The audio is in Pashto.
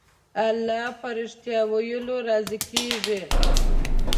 الله په رښتيا ويلو راضي کېږي.